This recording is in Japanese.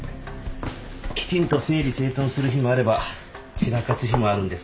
きちんと整理整頓する日もあれば散らかす日もあるんです。